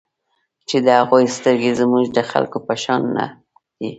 چې د هغوی سترګې زموږ د خلکو په شان نه دي.